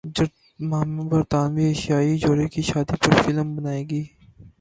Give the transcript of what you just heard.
Jemima برطانوی ایشیائی جوڑے کی شادی پر فلم بنائیں گی